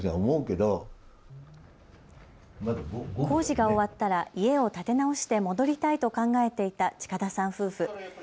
工事が終わったら家を建て直して戻りたいと考えていた近田さん夫婦。